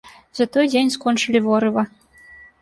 За той дзень скончылі ворыва.